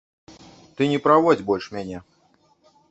Ты не праводзь больш мяне.